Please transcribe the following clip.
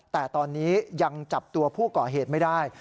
แต่ตอนนี้ยังจับตัวผู้ก่อเหตุไม่ได้